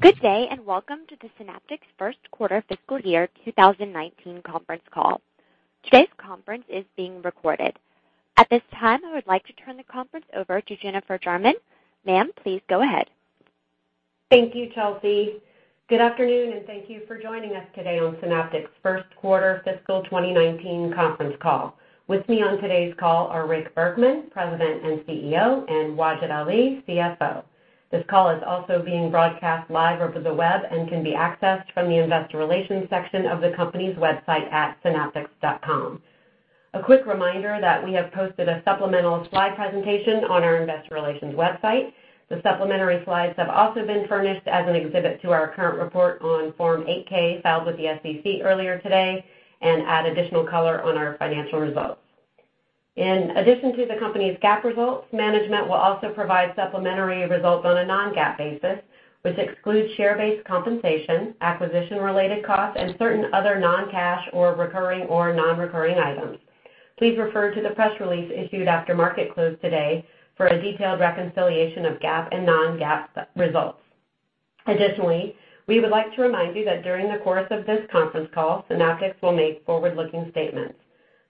Good day, welcome to the Synaptics First Quarter Fiscal Year 2019 Conference Call. Today's conference is being recorded. At this time, I would like to turn the conference over to Jennifer Jarman. Ma'am, please go ahead. Thank you, Chelsea. Good afternoon, thank you for joining us today on Synaptics' First Quarter Fiscal 2019 Conference Call. With me on today's call are Rick Bergman, President and CEO, Wajid Ali, CFO. This call is also being broadcast live over the web and can be accessed from the investor relations section of the company's website at synaptics.com. A quick reminder that we have posted a supplemental slide presentation on our investor relations website. The supplementary slides have also been furnished as an exhibit to our current report on Form 8-K filed with the SEC earlier today add additional color on our financial results. In addition to the company's GAAP results, management will also provide supplementary results on a non-GAAP basis, which excludes share-based compensation, acquisition-related costs, certain other non-cash or recurring or non-recurring items. Please refer to the press release issued after market close today for a detailed reconciliation of GAAP and non-GAAP results. Additionally, we would like to remind you that during the course of this conference call, Synaptics will make forward-looking statements.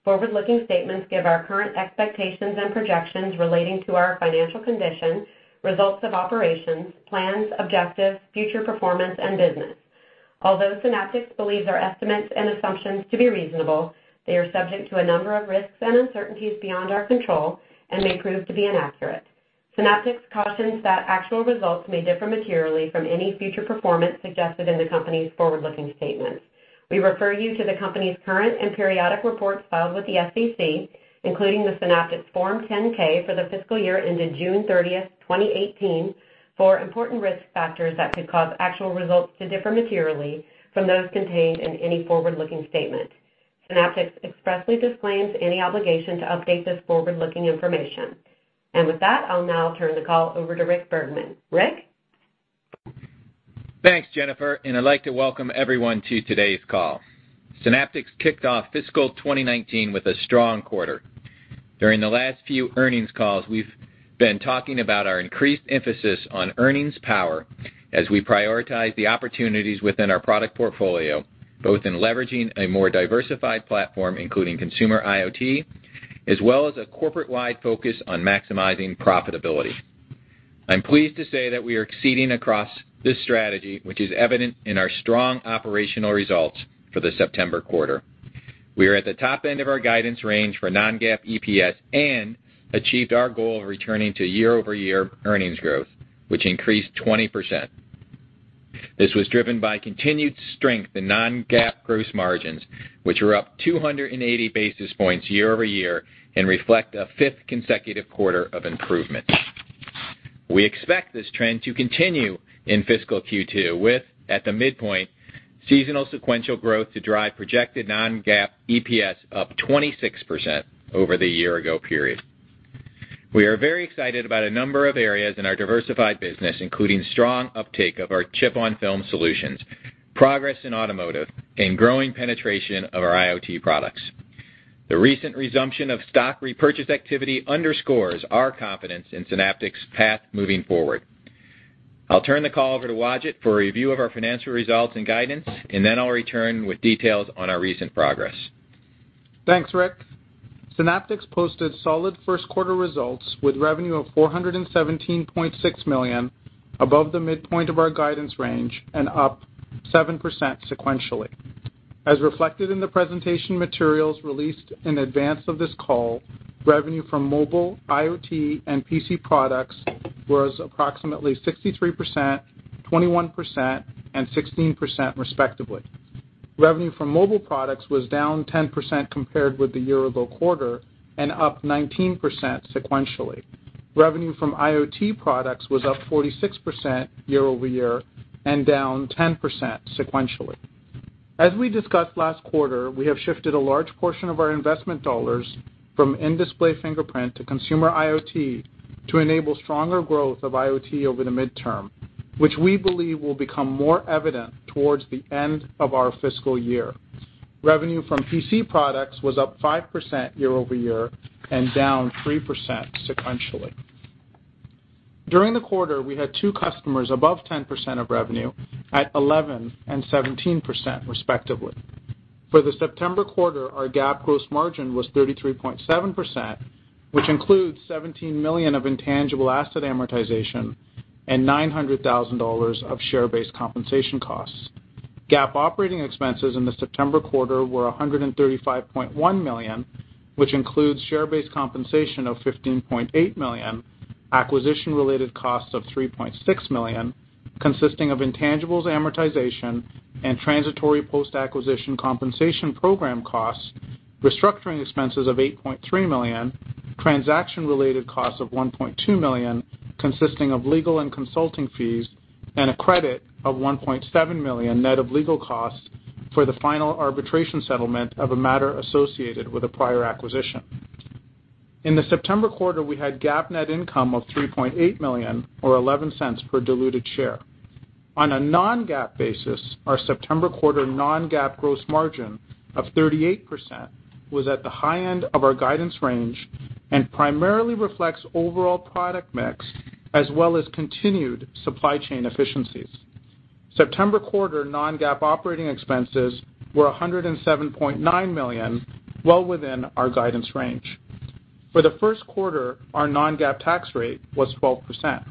Forward-looking statements give our current expectations and projections relating to our financial condition, results of operations, plans, objectives, future performance, and business. Although Synaptics believes our estimates and assumptions to be reasonable, they are subject to a number of risks and uncertainties beyond our control and may prove to be inaccurate. Synaptics cautions that actual results may differ materially from any future performance suggested in the company's forward-looking statements. We refer you to the company's current and periodic reports filed with the SEC, including the Synaptics Form 10-K for the fiscal year ended June 30th, 2018, for important risk factors that could cause actual results to differ materially from those contained in any forward-looking statement. Synaptics expressly disclaims any obligation to update this forward-looking information. With that, I'll now turn the call over to Rick Bergman. Rick? Thanks, Jennifer, and I'd like to welcome everyone to today's call. Synaptics kicked off fiscal 2019 with a strong quarter. During the last few earnings calls, we've been talking about our increased emphasis on earnings power as we prioritize the opportunities within our product portfolio, both in leveraging a more diversified platform, including consumer IoT, as well as a corporate-wide focus on maximizing profitability. I'm pleased to say that we are exceeding across this strategy, which is evident in our strong operational results for the September quarter. We are at the top end of our guidance range for non-GAAP EPS and achieved our goal of returning to year-over-year earnings growth, which increased 20%. This was driven by continued strength in non-GAAP gross margins, which were up 280 basis points year-over-year and reflect a fifth consecutive quarter of improvement. We expect this trend to continue in fiscal Q2 with, at the midpoint, seasonal sequential growth to drive projected non-GAAP EPS up 26% over the year-ago period. We are very excited about a number of areas in our diversified business, including strong uptake of our chip-on-film solutions, progress in automotive, and growing penetration of our IoT products. The recent resumption of stock repurchase activity underscores our confidence in Synaptics' path moving forward. I'll turn the call over to Wajid for a review of our financial results and guidance, and then I'll return with details on our recent progress. Thanks, Rick. Synaptics posted solid first-quarter results with revenue of $417.6 million above the midpoint of our guidance range and up 7% sequentially. As reflected in the presentation materials released in advance of this call, revenue from mobile, IoT, and PC products was approximately 63%, 21%, and 16%, respectively. Revenue from mobile products was down 10% compared with the year-ago quarter and up 19% sequentially. Revenue from IoT products was up 46% year-over-year and down 10% sequentially. As we discussed last quarter, we have shifted a large portion of our investment dollars from in-display fingerprint to consumer IoT to enable stronger growth of IoT over the midterm, which we believe will become more evident towards the end of our fiscal year. Revenue from PC products was up 5% year-over-year and down 3% sequentially. During the quarter, we had two customers above 10% of revenue at 11% and 17% respectively. For the September quarter, our GAAP gross margin was 33.7%, which includes $17 million of intangible asset amortization and $900,000 of share-based compensation costs. GAAP operating expenses in the September quarter were $135.1 million, which includes share-based compensation of $15.8 million, acquisition-related costs of $3.6 million, consisting of intangibles amortization and transitory post-acquisition compensation program costs, restructuring expenses of $8.3 million, transaction-related costs of $1.2 million consisting of legal and consulting fees, and a credit of $1.7 million net of legal costs for the final arbitration settlement of a matter associated with a prior acquisition. In the September quarter, we had GAAP net income of $3.8 million, or $0.11 per diluted share. On a non-GAAP basis, our September quarter non-GAAP gross margin of 38% was at the high end of our guidance range and primarily reflects overall product mix, as well as continued supply chain efficiencies. September quarter non-GAAP operating expenses were $107.9 million, well within our guidance range. For the first quarter, our non-GAAP tax rate was 12%.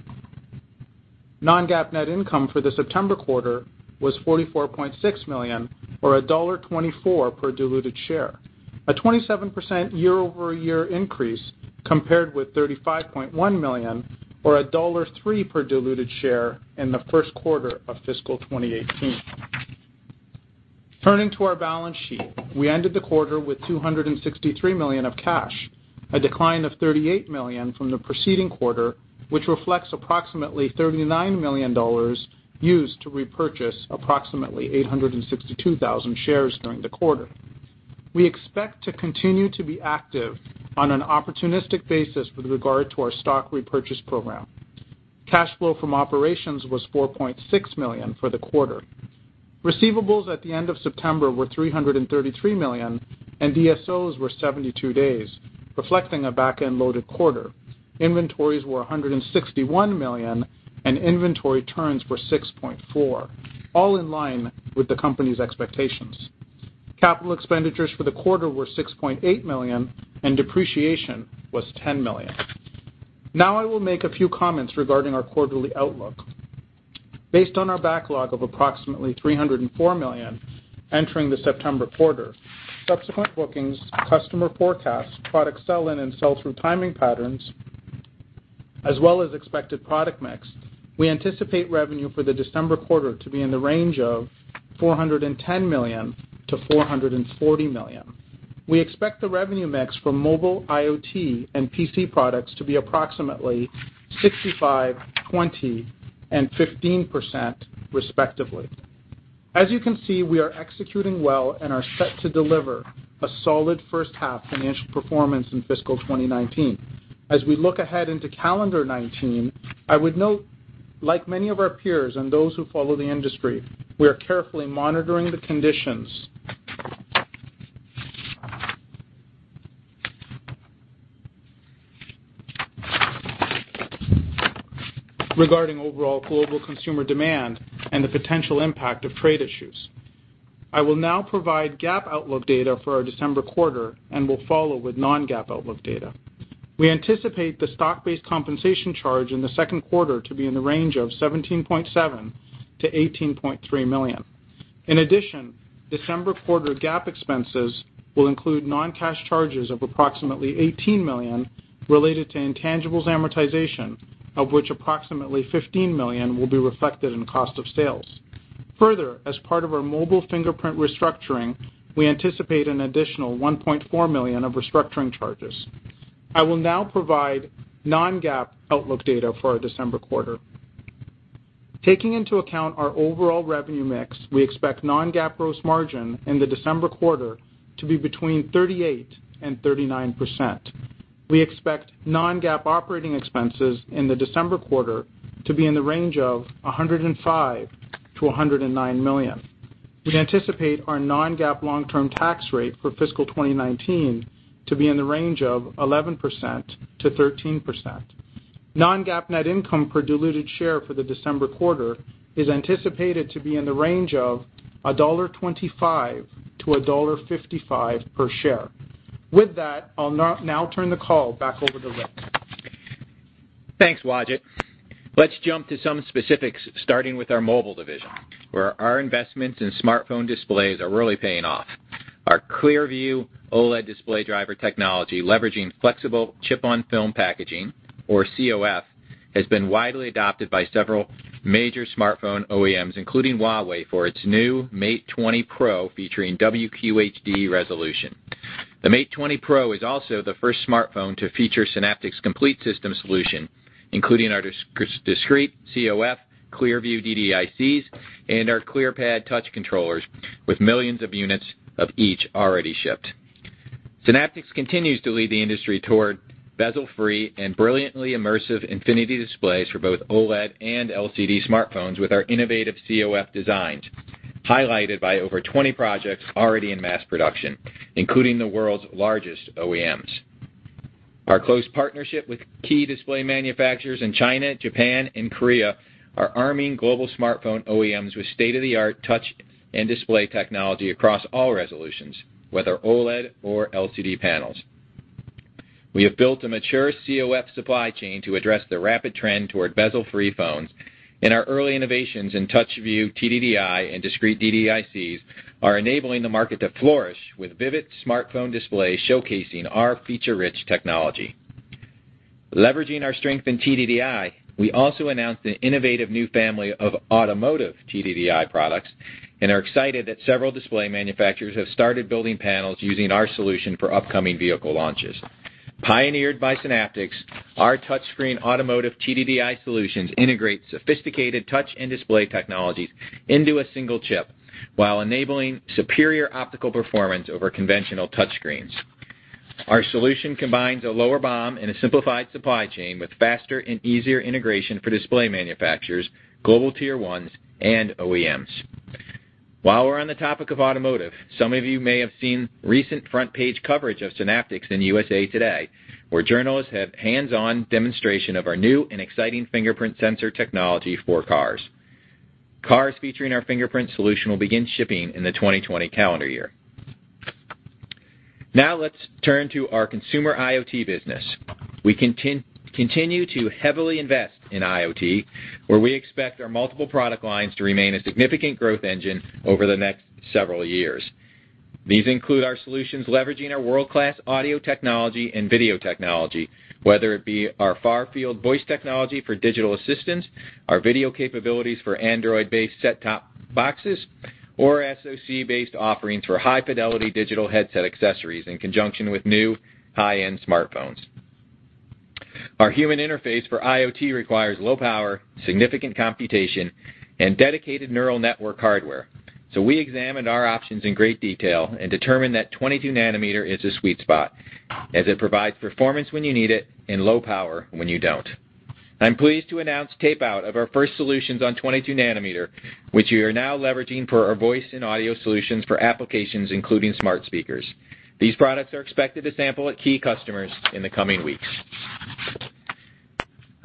Non-GAAP net income for the September quarter was $44.6 million, or $1.24 per diluted share, a 27% year-over-year increase compared with $35.1 million, or $1.03 per diluted share in the first quarter of fiscal 2018. Turning to our balance sheet, we ended the quarter with $263 million of cash, a decline of $38 million from the preceding quarter, which reflects approximately $39 million used to repurchase approximately 862,000 shares during the quarter. We expect to continue to be active on an opportunistic basis with regard to our stock repurchase program. Cash flow from operations was $4.6 million for the quarter. Receivables at the end of September were $333 million, and DSOs were 72 days, reflecting a backend-loaded quarter. Inventories were $161 million, and inventory turns were 6.4, all in line with the company's expectations. Capital expenditures for the quarter were $6.8 million, and depreciation was $10 million. Now I will make a few comments regarding our quarterly outlook. Based on our backlog of approximately $304 million entering the September quarter, subsequent bookings, customer forecasts, product sell-in and sell-through timing patterns, as well as expected product mix, we anticipate revenue for the December quarter to be in the range of $410 million to $440 million. We expect the revenue mix for mobile, IoT, and PC products to be approximately 65%, 20%, and 15% respectively. As you can see, we are executing well and are set to deliver a solid first-half financial performance in fiscal 2019. As we look ahead into calendar 2019, I would note, like many of our peers and those who follow the industry, we are carefully monitoring the conditions regarding overall global consumer demand and the potential impact of trade issues. I will now provide GAAP outlook data for our December quarter and will follow with non-GAAP outlook data. We anticipate the stock-based compensation charge in the second quarter to be in the range of $17.7 million to $18.3 million. In addition, December quarter GAAP expenses will include non-cash charges of approximately $18 million related to intangibles amortization, of which approximately $15 million will be reflected in cost of sales. Further, as part of our mobile fingerprint restructuring, we anticipate an additional $1.4 million of restructuring charges. I will now provide non-GAAP outlook data for our December quarter. Taking into account our overall revenue mix, we expect non-GAAP gross margin in the December quarter to be between 38% and 39%. We expect non-GAAP operating expenses in the December quarter to be in the range of $105 million to $109 million. We anticipate our non-GAAP long-term tax rate for fiscal 2019 to be in the range of 11%-13%. Non-GAAP net income per diluted share for the December quarter is anticipated to be in the range of $1.25-$1.55 per share. With that, I'll now turn the call back over to Rick. Thanks, Wajid. Let's jump to some specifics, starting with our mobile division, where our investments in smartphone displays are really paying off. Our ClearView OLED display driver technology, leveraging flexible chip-on-film packaging, or COF, has been widely adopted by several major smartphone OEMs, including Huawei, for its new Mate 20 Pro, featuring WQHD resolution. The Mate 20 Pro is also the first smartphone to feature Synaptics' complete system solution, including our discrete COF ClearView DDICs and our ClearPad touch controllers, with millions of units of each already shipped. Synaptics continues to lead the industry toward bezel-free and brilliantly immersive infinity displays for both OLED and LCD smartphones with our innovative COF designs, highlighted by over 20 projects already in mass production, including the world's largest OEMs. Our close partnership with key display manufacturers in China, Japan, and Korea are arming global smartphone OEMs with state-of-the-art touch and display technology across all resolutions, whether OLED or LCD panels. We have built a mature COF supply chain to address the rapid trend toward bezel-free phones, and our early innovations in TouchView TDDI and discrete DDICs are enabling the market to flourish with vivid smartphone displays showcasing our feature-rich technology. Leveraging our strength in TDDI, we also announced an innovative new family of automotive TDDI products and are excited that several display manufacturers have started building panels using our solution for upcoming vehicle launches. Pioneered by Synaptics, our touchscreen automotive TDDI solutions integrate sophisticated touch and display technologies into a single chip while enabling superior optical performance over conventional touchscreens. Our solution combines a lower BOM and a simplified supply chain with faster and easier integration for display manufacturers, global Tier 1s, and OEMs. While we're on the topic of automotive, some of you may have seen recent front-page coverage of Synaptics in USA Today, where journalists have hands-on demonstration of our new and exciting fingerprint sensor technology for cars. Cars featuring our fingerprint solution will begin shipping in the 2020 calendar year. Let's turn to our consumer IoT business. We continue to heavily invest in IoT, where we expect our multiple product lines to remain a significant growth engine over the next several years. These include our solutions leveraging our world-class audio technology and video technology, whether it be our far-field voice technology for digital assistants, our video capabilities for Android-based set-top boxes, or SoC-based offerings for high-fidelity digital headset accessories in conjunction with new high-end smartphones. Our human interface for IoT requires low power, significant computation, and dedicated neural network hardware. We examined our options in great detail and determined that 22 nm is a sweet spot, as it provides performance when you need it and low power when you don't. I'm pleased to announce tape-out of our first solutions on 22 nm, which we are now leveraging for our voice and audio solutions for applications including smart speakers. These products are expected to sample at key customers in the coming weeks.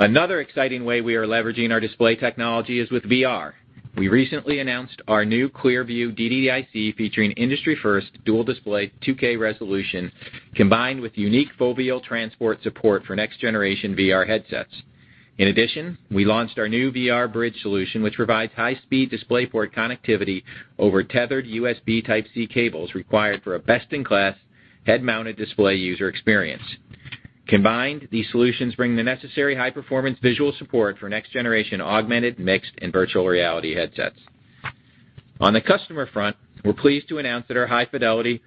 Another exciting way we are leveraging our display technology is with VR. We recently announced our new ClearView DDIC featuring industry-first dual display 2K resolution, combined with unique foveal transport support for next-generation VR headsets. In addition, we launched our new VR bridge solution, which provides high-speed DisplayPort connectivity over tethered USB Type-C cables required for a best-in-class head-mounted display user experience. Combined, these solutions bring the necessary high-performance visual support for next-generation augmented, mixed, and virtual reality headsets. On the customer front, we're pleased to announce that our high-fidelity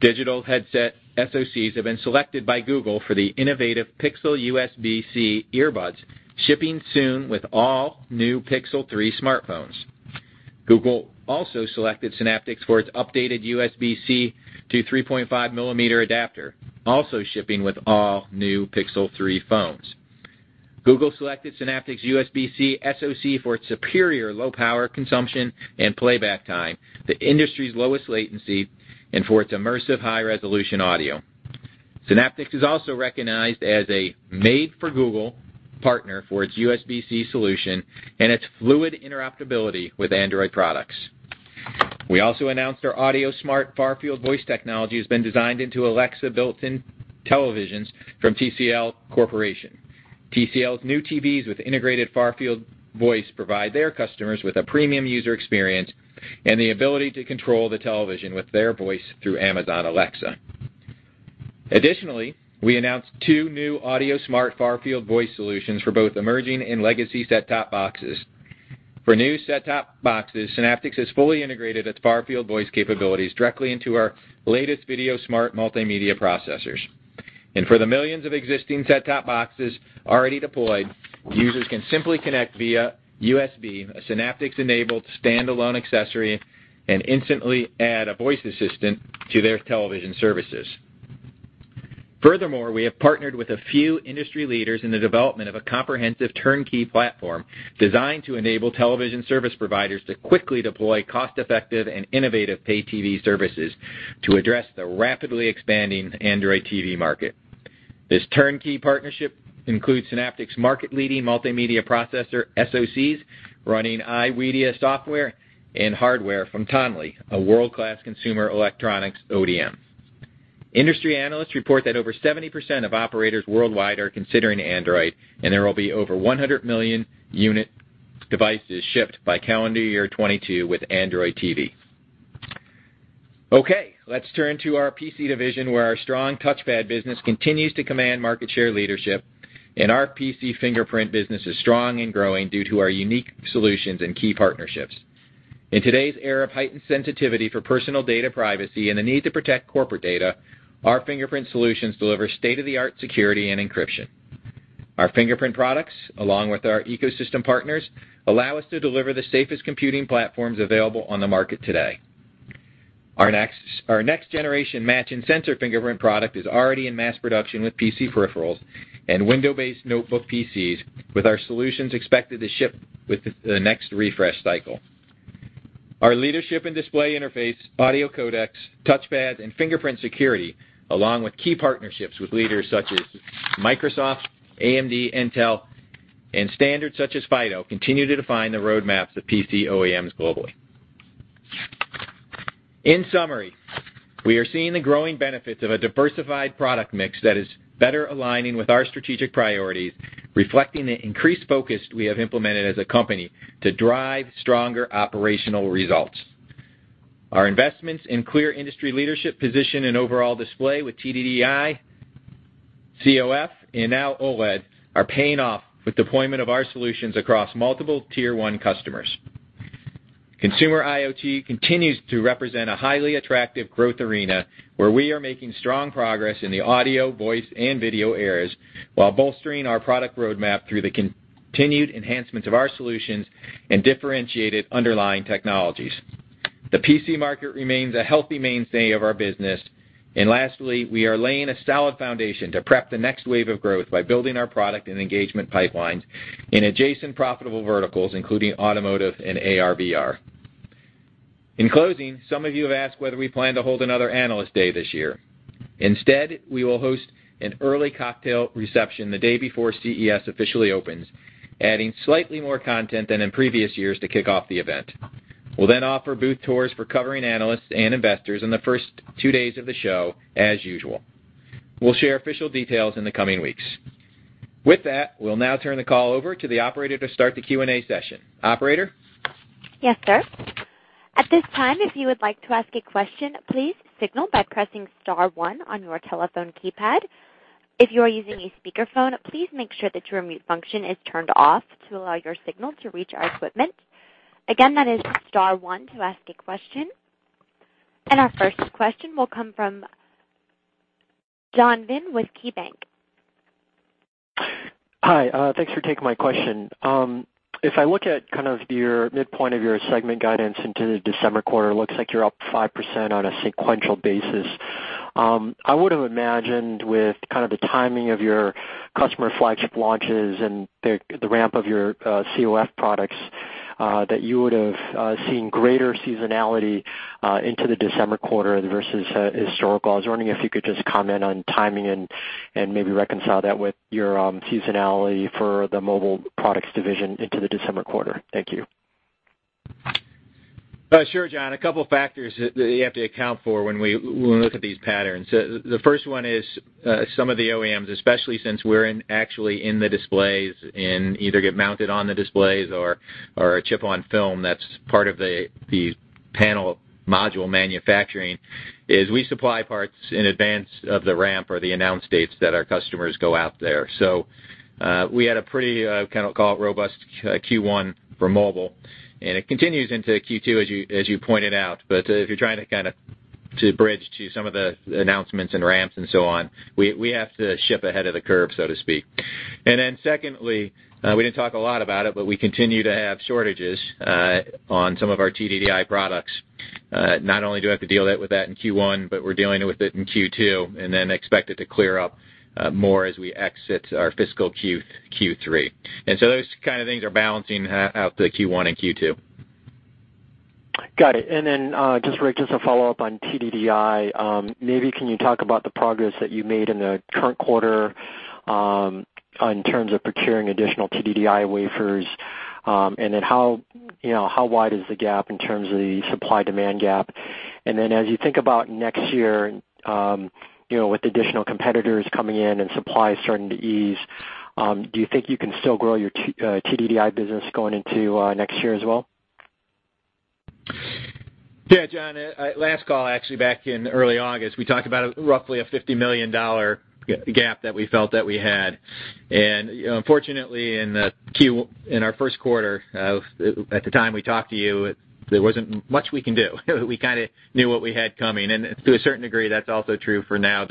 digital headset SoCs have been selected by Google for the innovative Pixel USB-C earbuds, shipping soon with all new Pixel 3 smartphones. Google also selected Synaptics for its updated USB-C to 3.5 mm adapter, also shipping with all new Pixel 3 phones. Google selected Synaptics' USB-C SoC for its superior low power consumption and playback time, the industry's lowest latency, and for its immersive high-resolution audio. Synaptics is also recognized as a Made for Google partner for its USB-C solution and its fluid interoperability with Android products. We also announced our AudioSmart far-field voice technology has been designed into Alexa built-in televisions from TCL Corporation. TCL's new TVs with integrated far-field voice provide their customers with a premium user experience and the ability to control the television with their voice through Amazon Alexa. We announced two new AudioSmart far-field voice solutions for both emerging and legacy set-top boxes. For new set-top boxes, Synaptics has fully integrated its far-field voice capabilities directly into our latest VideoSmart multimedia processors. For the millions of existing set-top boxes already deployed, users can simply connect via USB, a Synaptics-enabled standalone accessory, and instantly add a voice assistant to their television services. Furthermore, we have partnered with a few industry leaders in the development of a comprehensive turnkey platform designed to enable television service providers to quickly deploy cost-effective and innovative pay TV services to address the rapidly expanding Android TV market. This turnkey partnership includes Synaptics' market-leading multimedia processor SoCs running iWedia software and hardware from Tonly, a world-class consumer electronics ODM. Industry analysts report that over 70% of operators worldwide are considering Android, and there will be over 100 million unit devices shipped by calendar year 2022 with Android TV. Let's turn to our PC division, where our strong touchpad business continues to command market share leadership, and our PC fingerprint business is strong and growing due to our unique solutions and key partnerships. In today's era of heightened sensitivity for personal data privacy and the need to protect corporate data, our fingerprint solutions deliver state-of-the-art security and encryption. Our fingerprint products, along with our ecosystem partners, allow us to deliver the safest computing platforms available on the market today. Our next generation match and sensor fingerprint product is already in mass production with PC peripherals and Windows-based notebook PCs, with our solutions expected to ship with the next refresh cycle. Our leadership in display interface, audio codecs, touchpads, and fingerprint security, along with key partnerships with leaders such as Microsoft, AMD, Intel, and standards such as FIDO, continue to define the roadmaps of PC OEMs globally. In summary, we are seeing the growing benefits of a diversified product mix that is better aligning with our strategic priorities, reflecting the increased focus we have implemented as a company to drive stronger operational results. Our investments in clear industry leadership position and overall display with TDDI, COF, and now OLED are paying off with deployment of our solutions across multiple Tier 1 customers. Consumer IoT continues to represent a highly attractive growth arena, where we are making strong progress in the audio, voice, and video areas, while bolstering our product roadmap through the continued enhancements of our solutions and differentiated underlying technologies. The PC market remains a healthy mainstay of our business. Lastly, we are laying a solid foundation to prep the next wave of growth by building our product and engagement pipelines in adjacent profitable verticals, including automotive and AR/VR. In closing, some of you have asked whether we plan to hold another Analyst Day this year. Instead, we will host an early cocktail reception the day before CES officially opens, adding slightly more content than in previous years to kick off the event. We'll then offer booth tours for covering analysts and investors in the first two days of the show, as usual. We'll share official details in the coming weeks. With that, we'll now turn the call over to the operator to start the Q&A session. Operator? Yes, sir. At this time, if you would like to ask a question, please signal by pressing star one on your telephone keypad. If you are using a speakerphone, please make sure that your mute function is turned off to allow your signal to reach our equipment. Again, that is star one to ask a question. Our first question will come from John Vinh with KeyBanc. Hi. Thanks for taking my question. If I look at your midpoint of your segment guidance into the December quarter, looks like you're up 5% on a sequential basis. I would've imagined with the timing of your customer flagship launches and the ramp of your COF products, that you would've seen greater seasonality into the December quarter versus historical. I was wondering if you could just comment on timing and maybe reconcile that with your seasonality for the mobile products division into the December quarter. Thank you. Sure, John. A couple factors that you have to account for when we look at these patterns. The first one is some of the OEMs, especially since we're actually in the displays and either get mounted on the displays or are a chip-on-film that's part of the panel module manufacturing, we supply parts in advance of the ramp or the announce dates that our customers go out there. We had a pretty robust Q1 for mobile, and it continues into Q2, as you pointed out. If you're trying to bridge to some of the announcements and ramps and so on, we have to ship ahead of the curve, so to speak. Secondly, we didn't talk a lot about it, but we continue to have shortages on some of our TDDI products. Not only do we have to deal with that in Q1, but we're dealing with it in Q2, expect it to clear up more as we exit our fiscal Q3. Those kind of things are balancing out the Q1 and Q2. Got it. Just Rick, just a follow-up on TDDI. Maybe can you talk about the progress that you made in the current quarter in terms of procuring additional TDDI wafers, how wide is the gap in terms of the supply-demand gap? As you think about next year, with additional competitors coming in and supply starting to ease, do you think you can still grow your TDDI business going into next year as well? Yeah, John. Last call, actually back in early August, we talked about roughly a $50 million gap that we felt that we had. Unfortunately, in our first quarter, at the time we talked to you, there wasn't much we can do. We kind of knew what we had coming. To a certain degree, that's also true for now,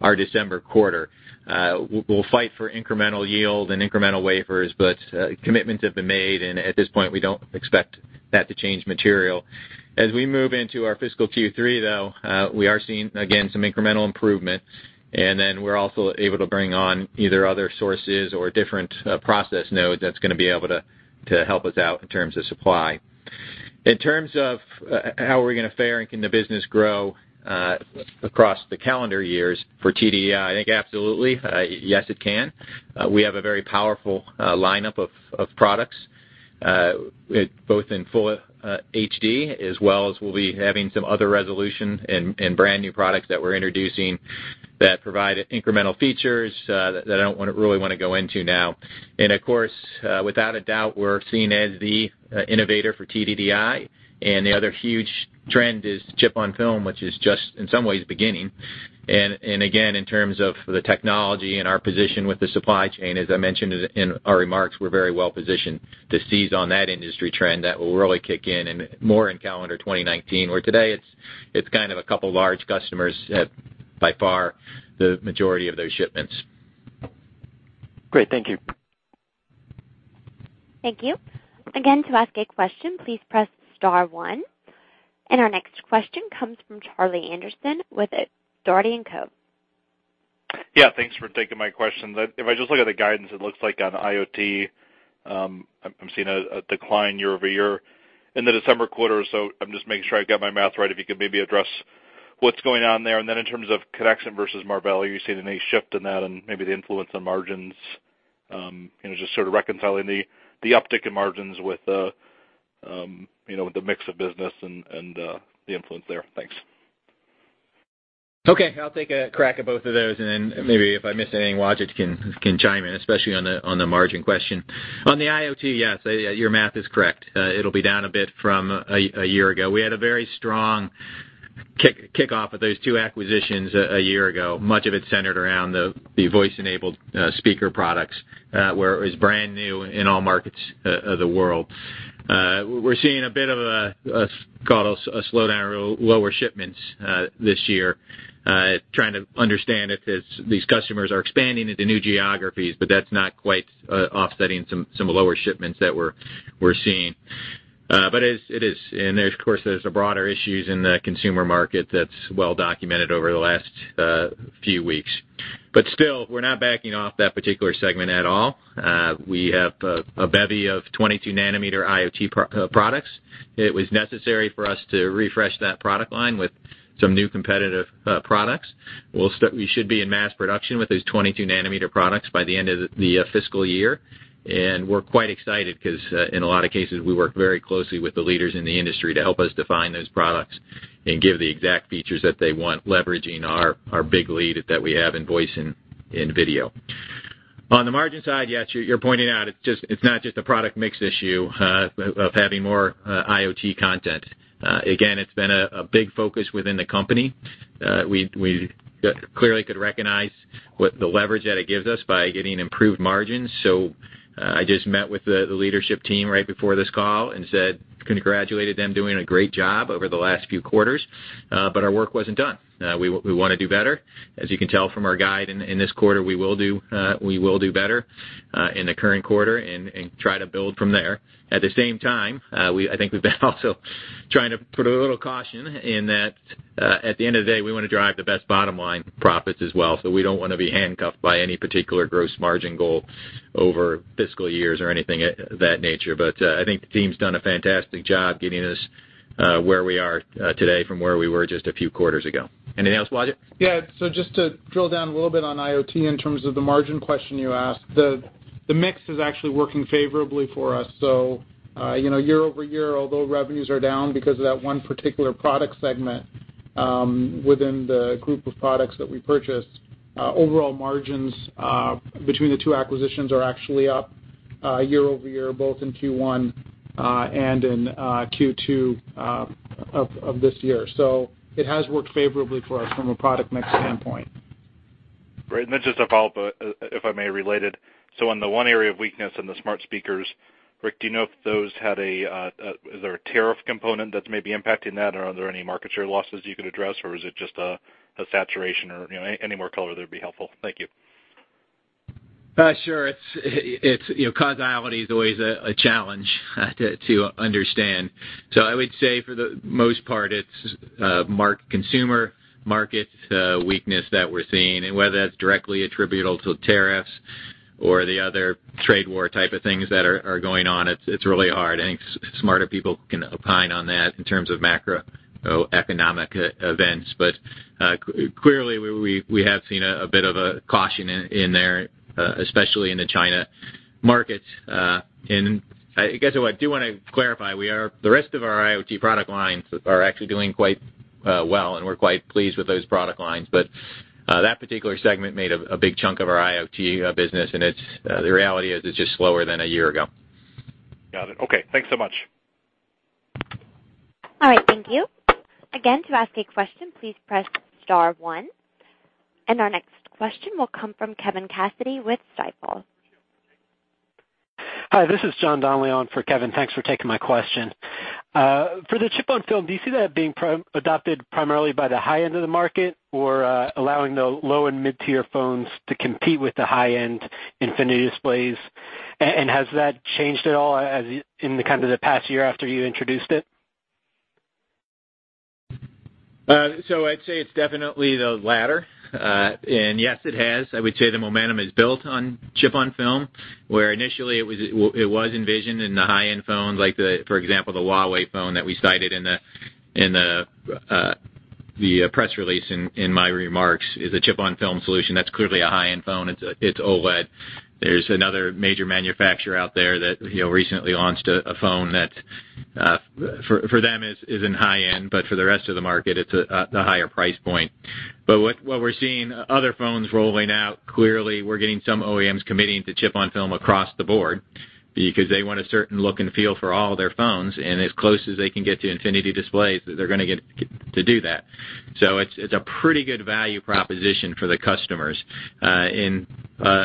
our December quarter. We'll fight for incremental yield and incremental wafers, but commitments have been made, and at this point, we don't expect that to change material. As we move into our fiscal Q3, though, we are seeing, again, some incremental improvement, we're also able to bring on either other sources or different process nodes that's going to be able to help us out in terms of supply. In terms of how we're going to fare and can the business grow across the calendar years for TDDI, I think absolutely. Yes, it can. We have a very powerful lineup of products, both in Full HD as well as we'll be having some other resolution and brand-new products that we're introducing that provide incremental features that I don't really want to go into now. Of course, without a doubt, we're seen as the innovator for TDDI, and the other huge trend is chip-on-film, which is just in some ways beginning. Again, in terms of the technology and our position with the supply chain, as I mentioned in our remarks, we're very well-positioned to seize on that industry trend that will really kick in more in calendar 2019, where today it's kind of a couple large customers have by far the majority of those shipments. Great. Thank you. Thank you. To ask a question, please press star one. Our next question comes from Charlie Anderson with Dougherty & Co. Yeah. Thanks for taking my question. If I just look at the guidance, it looks like on IoT, I'm seeing a decline year-over-year in the December quarter or so. I'm just making sure I've got my math right, if you could maybe address what's going on there. Then in terms of Conexant versus Marvell, are you seeing any shift in that and maybe the influence on margins? Just sort of reconciling the uptick in margins with the mix of business and the influence there. Thanks. Okay. I'll take a crack at both of those, and then maybe if I miss anything, Wajid can chime in, especially on the margin question. On the IoT, yes, your math is correct. It'll be down a bit from a year ago. We had a very strong kickoff of those two acquisitions a year ago, much of it centered around the voice-enabled speaker products, where it was brand new in all markets of the world. We're seeing a bit of a slowdown or lower shipments this year, trying to understand if these customers are expanding into new geographies, but that's not quite offsetting some lower shipments that we're seeing. It is. Of course, there's the broader issues in the consumer market that's well-documented over the last few weeks. Still, we're not backing off that particular segment at all. We have a bevy of 22 nm IoT products. It was necessary for us to refresh that product line with some new competitive products. We should be in mass production with those 22 nm products by the end of the fiscal year. We're quite excited because, in a lot of cases, we work very closely with the leaders in the industry to help us define those products and give the exact features that they want, leveraging our big lead that we have in voice and video. On the margin side, yes, you're pointing out, it's not just a product mix issue of having more IoT content. Again, it's been a big focus within the company. We clearly could recognize what the leverage that it gives us by getting improved margins. I just met with the leadership team right before this call and congratulated them doing a great job over the last few quarters. Our work wasn't done. We want to do better. As you can tell from our guide in this quarter, we will do better in the current quarter and try to build from there. At the same time, I think we've been also trying to put a little caution in that, at the end of the day, we want to drive the best bottom line profits as well. We don't want to be handcuffed by any particular gross margin goal over fiscal years or anything of that nature. I think the team's done a fantastic job getting us where we are today from where we were just a few quarters ago. Anything else, Wajid? Yeah. Just to drill down a little bit on IoT in terms of the margin question you asked. The mix is actually working favorably for us. Year-over-year, although revenues are down because of that one particular product segment within the group of products that we purchased, overall margins between the two acquisitions are actually up year-over-year, both in Q1 and in Q2 of this year. It has worked favorably for us from a product mix standpoint. Great. Just a follow-up, if I may, related. On the one area of weakness in the smart speakers, Rick, do you know if those had a tariff component that may be impacting that? Are there any market share losses you could address, or is it just a saturation or any more color there would be helpful? Thank you. Sure. Causality is always a challenge to understand. I would say for the most part, it's consumer market weakness that we're seeing, whether that's directly attributable to tariffs or the other trade war type of things that are going on, it's really hard. I think smarter people can opine on that in terms of macroeconomic events. Clearly, we have seen a bit of a caution in there, especially in the China market. I guess what I do want to clarify, the rest of our IoT product lines are actually doing quite well, we're quite pleased with those product lines. That particular segment made a big chunk of our IoT business, the reality is it's just slower than a year ago. Got it. Okay, thanks so much. All right, thank you. Again, to ask a question, please press star one. Our next question will come from Kevin Cassidy with Stifel. Hi, this is John Donlon for Kevin. Thanks for taking my question. For the chip-on-film, do you see that being adopted primarily by the high end of the market or allowing the low and mid-tier phones to compete with the high-end Infinity displays? Has that changed at all in the kind of the past year after you introduced it? I'd say it's definitely the latter. Yes, it has. I would say the momentum is built on chip-on-film, where initially it was envisioned in the high-end phones, like for example, the Huawei phone that we cited in the press release in my remarks, is a chip-on-film solution. That's clearly a high-end phone. It's OLED. There's another major manufacturer out there that recently launched a phone that, for them, is in high-end, but for the rest of the market, it's the higher price point. What we're seeing other phones rolling out, clearly we're getting some OEMs committing to chip-on-film across the board because they want a certain look and feel for all their phones, and as close as they can get to Infinity displays, they're going to get to do that. It's a pretty good value proposition for the customers. Other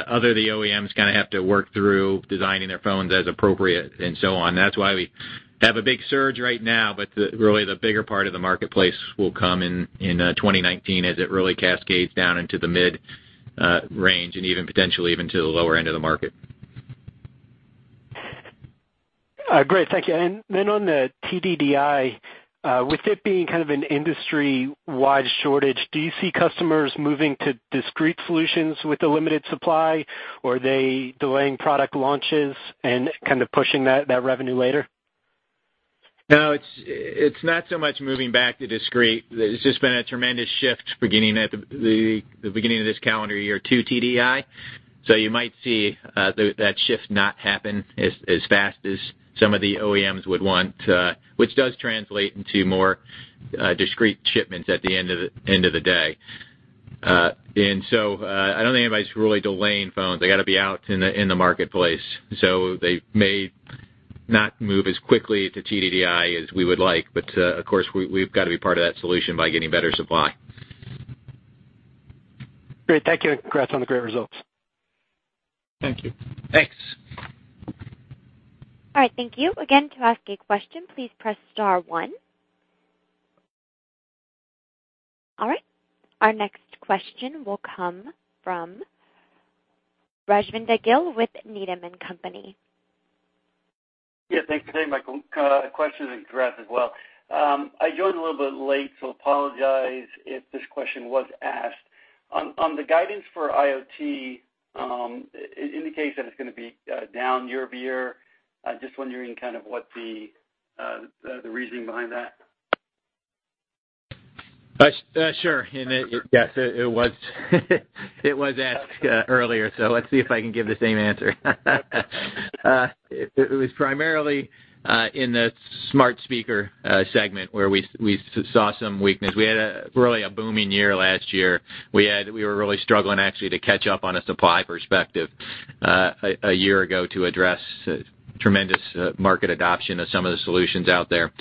of the OEMs kind of have to work through designing their phones as appropriate and so on. That's why we have a big surge right now, but really the bigger part of the marketplace will come in 2019 as it really cascades down into the mid-range and even potentially even to the lower end of the market. Great, thank you. Then on the TDDI, with it being kind of an industry-wide shortage, do you see customers moving to discrete solutions with the limited supply, or are they delaying product launches and kind of pushing that revenue later? It's not so much moving back to discrete. It's just been a tremendous shift beginning at the beginning of this calendar year to TDDI. You might see that shift not happen as fast as some of the OEMs would want, which does translate into more discrete shipments at the end of the day. I don't think anybody's really delaying phones. They got to be out in the marketplace. They may not move as quickly to TDDI as we would like. Of course, we've got to be part of that solution by getting better supply. Great. Thank you. Congrats on the great results. Thank you. Thanks. All right, thank you. Again, to ask a question, please press star one. Our next question will come from Rajvindra Gill with Needham & Company. Thanks. Hey, gentlemen. Question to Grant as well. I joined a little bit late, so apologize if this question was asked. On the guidance for IoT, it indicates that it's going to be down year-over-year. Just wondering what the reasoning behind that. Sure. Yes, it was asked earlier, so let's see if I can give the same answer. It was primarily in the smart speaker segment where we saw some weakness. We had really a booming year last year. We were really struggling actually to catch up on a supply perspective a year ago to address tremendous market adoption of some of the solutions out there,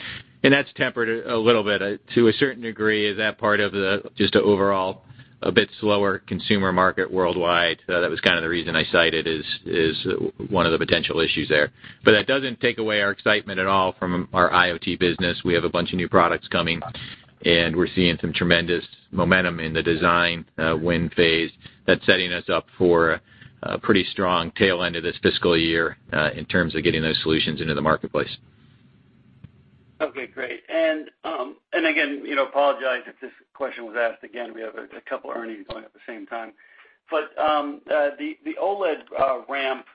and that's tempered a little bit. To a certain degree, that part of the just overall a bit slower consumer market worldwide, that was kind of the reason I cited as one of the potential issues there. That doesn't take away our excitement at all from our IoT business. We have a bunch of new products coming, and we're seeing some tremendous momentum in the design win phase that's setting us up for a pretty strong tail end of this fiscal year in terms of getting those solutions into the marketplace. Okay, great. Again, apologize if this question was asked again, we have a couple earnings going at the same time. The OLED ramp,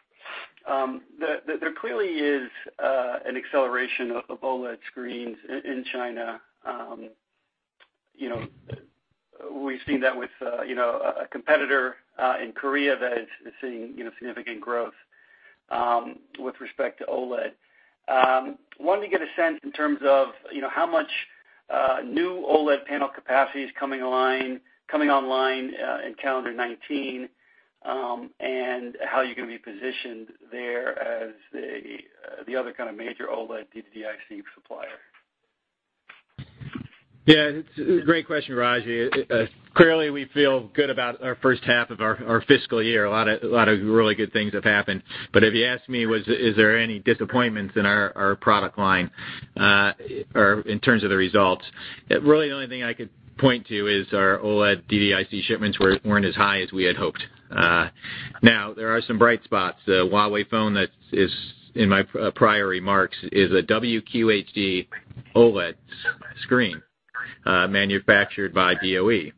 there clearly is an acceleration of OLED screens in China. We've seen that with a competitor in Korea that is seeing significant growth with respect to OLED. Wanted to get a sense in terms of how much new OLED panel capacity is coming online in calendar 2019, and how you're going to be positioned there as the other kind of major OLED DDIC supplier. It's a great question, Raj. Clearly, we feel good about our first half of our fiscal year. A lot of really good things have happened. If you asked me, is there any disappointments in our product line in terms of the results, really the only thing I could point to is our OLED DDIC shipments weren't as high as we had hoped. There are some bright spots. The Huawei phone that is in my prior remarks is a WQHD OLED screen manufactured by BOE.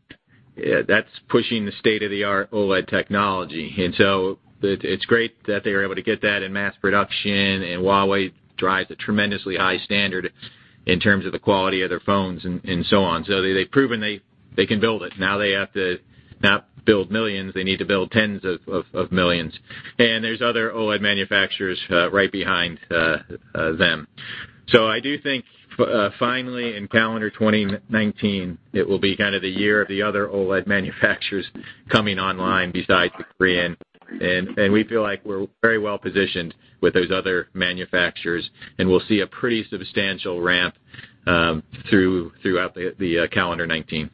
That's pushing the state-of-the-art OLED technology. It's great that they were able to get that in mass production, and Huawei drives a tremendously high standard in terms of the quality of their phones and so on. They've proven they can build it. They have to not build millions, they need to build tens of millions. There's other OLED manufacturers right behind them. I do think finally in calendar 2019, it will be kind of the year of the other OLED manufacturers coming online besides the Korean, and we feel like we're very well-positioned with those other manufacturers, and we'll see a pretty substantial ramp throughout the calendar 2019.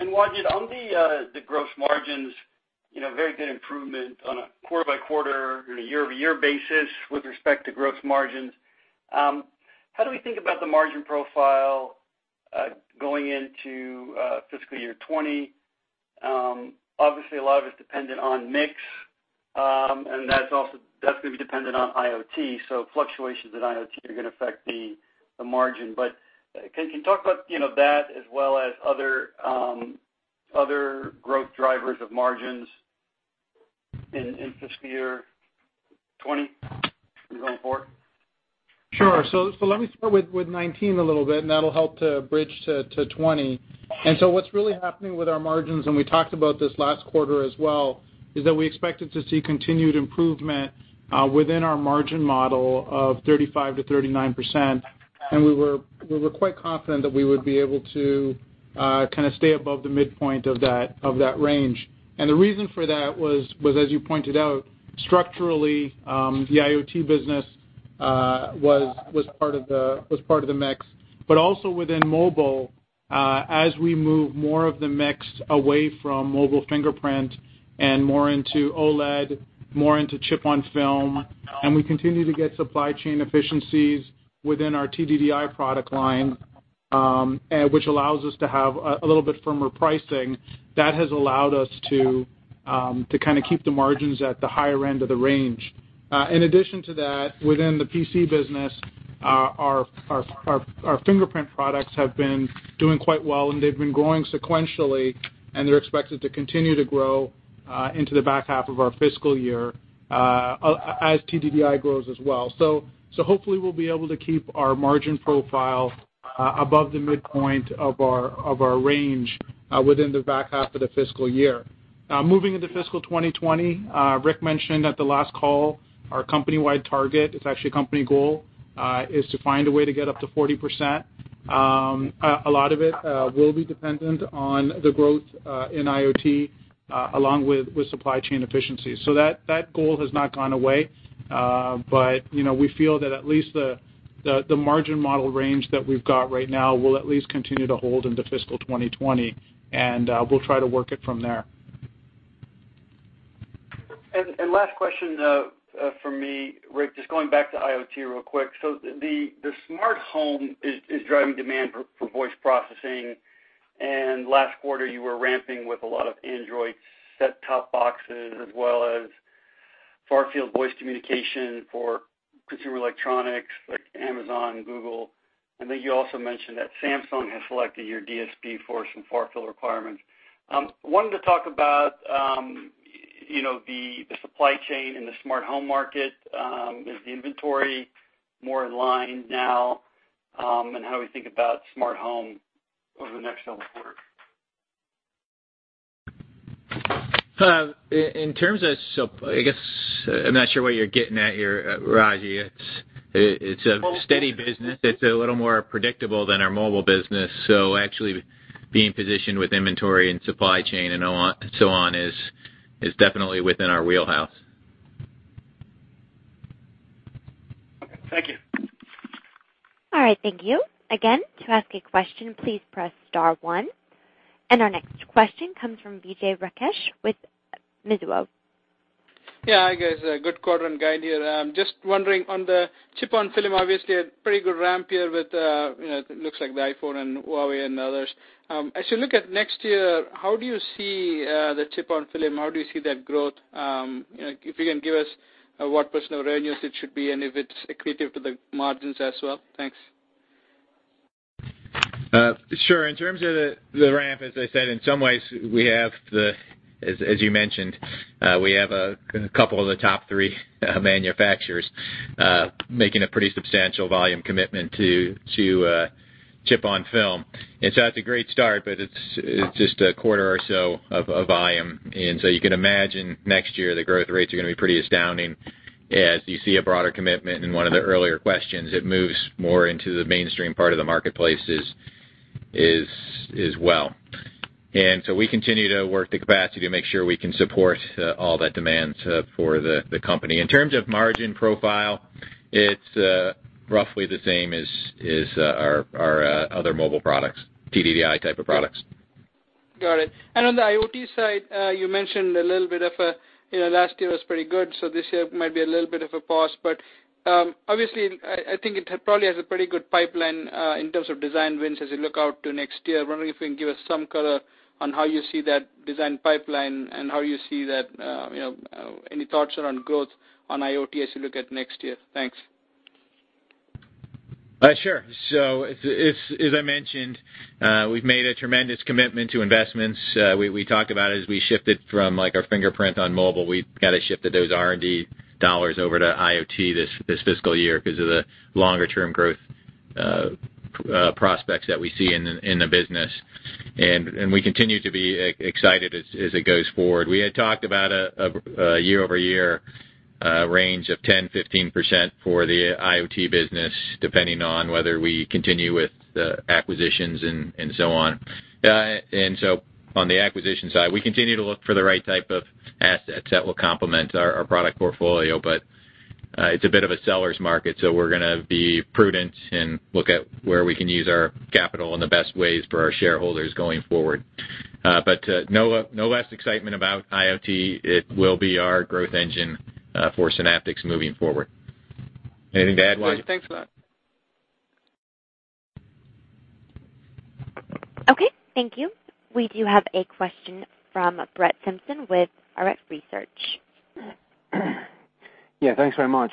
Wajid, on the gross margins, very good improvement on a quarter-by-quarter and a year-over-year basis with respect to gross margins. How do we think about the margin profile going into fiscal year 2020? Obviously, a lot of it's dependent on mix, and that's going to be dependent on IoT, so fluctuations in IoT are going to affect the margin. Can you talk about that as well as other growth drivers of margins in fiscal year 2020 going forward? Sure. Let me start with 2019 a little bit, and that'll help to bridge to 2020. What's really happening with our margins, and we talked about this last quarter as well, is that we expected to see continued improvement within our margin model of 35%-39%, and we were quite confident that we would be able to kind of stay above the midpoint of that range. The reason for that was, as you pointed out, structurally, the IoT business was part of the mix. Also within mobile, as we move more of the mix away from mobile fingerprint and more into OLED, more into chip-on-film, and we continue to get supply chain efficiencies within our TDDI product line, which allows us to have a little bit firmer pricing, that has allowed us to kind of keep the margins at the higher end of the range. In addition to that, within the PC business, our fingerprint products have been doing quite well, and they've been growing sequentially, and they're expected to continue to grow into the back half of our fiscal year as TDDI grows as well. Hopefully, we'll be able to keep our margin profile above the midpoint of our range within the back half of the fiscal year. Moving into fiscal 2020, Rick mentioned at the last call our company-wide target, it's actually a company goal, is to find a way to get up to 40%. A lot of it will be dependent on the growth in IoT along with supply chain efficiency. That goal has not gone away. We feel that at least the margin model range that we've got right now will at least continue to hold into fiscal 2020, and we'll try to work it from there. Last question for me, Rick, just going back to IoT real quick. The smart home is driving demand for voice processing, and last quarter you were ramping with a lot of Android set-top boxes as well as far-field voice communication for consumer electronics like Amazon, Google. I think you also mentioned that Samsung has selected your DSP for some far-field requirements. Wanted to talk about the supply chain in the smart home market. Is the inventory more in line now? How we think about smart home over the next several quarters. In terms of I guess I'm not sure what you're getting at here, Raji. It's a steady business. It's a little more predictable than our mobile business, so actually being positioned with inventory and supply chain and so on is definitely within our wheelhouse. Okay, thank you. All right, thank you. Again, to ask a question, please press star one. Our next question comes from Vijay Rakesh with Mizuho. Yeah, hi guys. Good quarter and guide here. Just wondering on the chip-on-film, obviously a pretty good ramp here with, it looks like the iPhone and Huawei and others. As you look at next year, how do you see the chip-on-film? How do you see that growth? If you can give us what percentage revenues it should be and if it's accretive to the margins as well. Thanks. Sure. In terms of the ramp, as I said, in some ways we have the, as you mentioned, we have a couple of the top three manufacturers making a pretty substantial volume commitment to chip-on-film. That's a great start, but it's just a quarter or so of volume. You can imagine next year the growth rates are going to be pretty astounding as you see a broader commitment in one of the earlier questions, it moves more into the mainstream part of the marketplace as well. We continue to work the capacity to make sure we can support all that demand for the company. In terms of margin profile, it's roughly the same as our other mobile products, TDDI-type of products. Got it. On the IoT side, you mentioned a little bit of last year was pretty good, so this year might be a little bit of a pause, but obviously, I think it probably has a pretty good pipeline, in terms of design wins as we look out to next year. I'm wondering if you can give us some color on how you see that design pipeline and how you see that, any thoughts around growth on IoT as we look at next year? Thanks. Sure. As I mentioned, we've made a tremendous commitment to investments. We talked about as we shifted from our fingerprint on mobile, we got to shift those R&D dollars over to IoT this fiscal year because of the longer-term growth prospects that we see in the business. We continue to be excited as it goes forward. We had talked about a year-over-year range of 10%-15% for the IoT business, depending on whether we continue with the acquisitions and so on. On the acquisition side, we continue to look for the right type of assets that will complement our product portfolio. It's a bit of a seller's market, so we're gonna be prudent and look at where we can use our capital in the best ways for our shareholders going forward. No less excitement about IoT. It will be our growth engine for Synaptics moving forward. Anything to add, Wajid? No, thanks a lot. Okay, thank you. We do have a question from Brett Simpson with Arete Research. Yeah, thanks very much.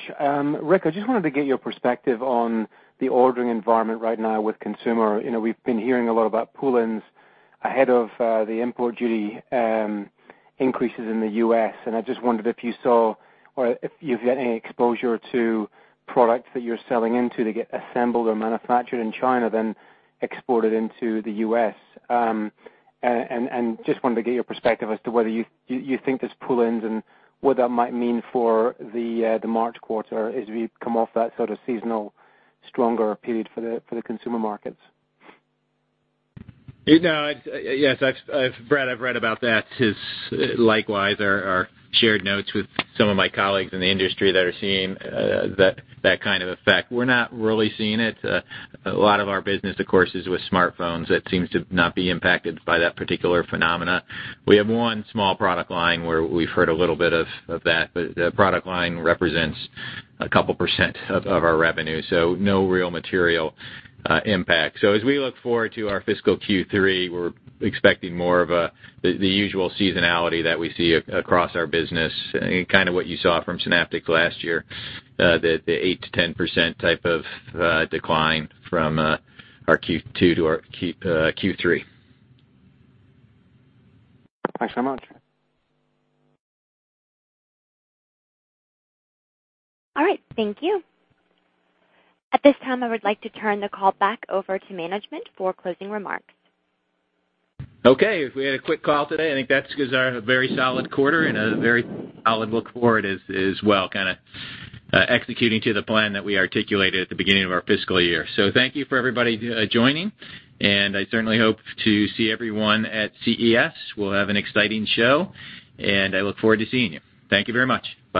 Rick, I just wanted to get your perspective on the ordering environment right now with consumer. We've been hearing a lot about pull-ins ahead of the import duty increases in the U.S. I just wondered if you saw or if you've got any exposure to products that you're selling into that get assembled or manufactured in China, then exported into the U.S. Just wanted to get your perspective as to whether you think there's pull-ins and what that might mean for the March quarter as we come off that sort of seasonal, stronger period for the consumer markets. No, yes, Brett, I've read about that. Likewise, our shared notes with some of my colleagues in the industry that are seeing that kind of effect. We're not really seeing it. A lot of our business, of course, is with smartphones. That seems to not be impacted by that particular phenomena. We have one small product line where we've heard a little bit of that, but the product line represents a couple percent of our revenue, so no real material impact. As we look forward to our fiscal Q3, we're expecting more of the usual seasonality that we see across our business, kind of what you saw from Synaptics last year, the 8%-10% type of decline from our Q2 to our Q3. Thanks so much. All right. Thank you. At this time, I would like to turn the call back over to management for closing remarks. Okay. We had a quick call today. I think that's because our very solid quarter and a very solid look forward as well, kind of executing to the plan that we articulated at the beginning of our fiscal year. Thank you for everybody joining, and I certainly hope to see everyone at CES. We'll have an exciting show, and I look forward to seeing you. Thank you very much. Bye.